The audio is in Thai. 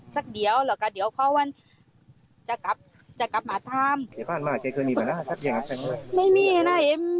สักเดี๋ยวเดี๋ยวเขาจะกลับมาทำ